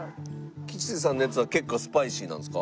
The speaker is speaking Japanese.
吉瀬さんのやつは結構スパイシーなんですか？